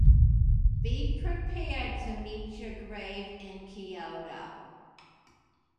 Be prepared to meet your grave in Kyoto.